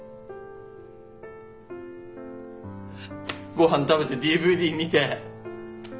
ごはん食べてＤＶＤ見て。